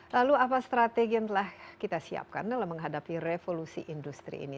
lalu apa strategi yang telah kita siapkan dalam menghadapi revolusi industri ini